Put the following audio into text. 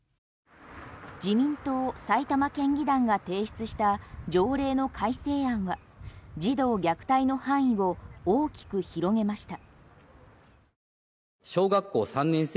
自民党埼玉県議団が提出した条例の改正案は児童虐待の範囲を大きく広げました。